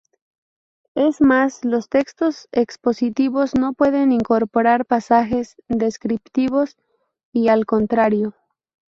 Es más, los textos expositivos no pueden incorporar pasajes descriptivos y al contrario.